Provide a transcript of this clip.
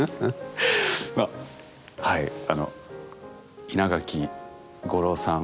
はいあの稲垣吾郎さん